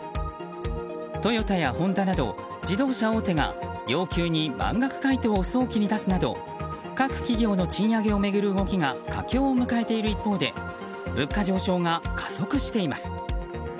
トヨタやホンダなど自動車大手が要求に満額回答を早期に出すなど各企業の賃上げを巡る動きが佳境を迎えている一方で物価上昇が加速しています。